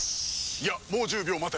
いやもう１０秒待て。